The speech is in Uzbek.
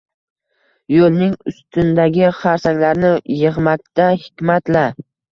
Yoʻlning ustindagi xarsanglarni yigʻmakda hikmat-la